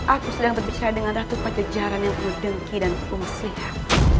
aku sedang berbicara dengan ratu pakejaran yang berdengki dan berpengislihat